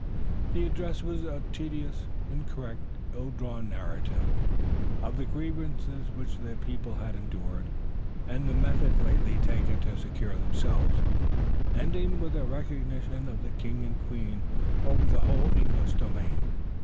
The address was a tedious, incorrect, ill drawn narrative of the grievances which the people had endured and the methods lately taken to secure themselves, ending with a recognition of the king and queen over the whole English dominion.